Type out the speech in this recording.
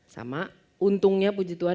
sama untungnya puji tuhan